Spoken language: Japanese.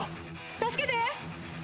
助けて！